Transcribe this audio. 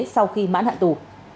sau khi mãn hạn tù